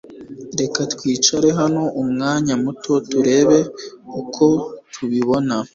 Reka twicare hano umwanya muto turebe uko tubibona.